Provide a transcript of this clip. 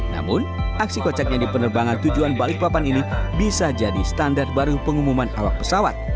namun aksi kocaknya di penerbangan tujuan balikpapan ini bisa jadi standar baru pengumuman awak pesawat